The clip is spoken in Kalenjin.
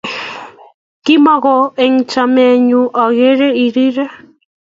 Kimoko eng chamet nyun aker irire